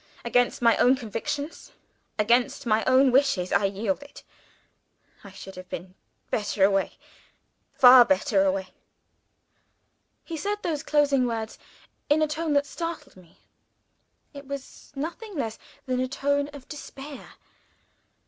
Against my own convictions, against my own wishes, I yielded. I should have been better away far, far better away!" He said those closing words in a tone that startled me. It was nothing less than a tone of despair.